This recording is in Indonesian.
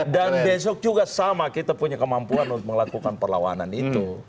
dan besok juga sama kita punya kemampuan untuk melakukan perlawanan itu